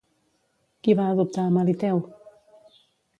Qui va adoptar a Meliteu?